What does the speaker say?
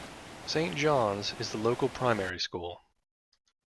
Saint John's is the local primary school.